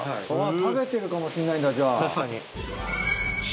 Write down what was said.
食べてるかもしれないんだじゃあ。